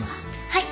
はい。